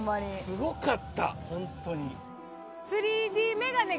すごかったホントに。